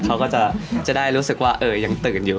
เขาก็จะได้รู้สึกว่ายังตื่นอยู่